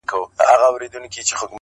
څه ته مي زړه نه غواړي.